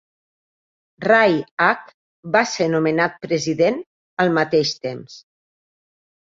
Ray H. va ser nomenat president al mateix temps.